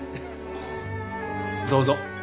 どうぞ。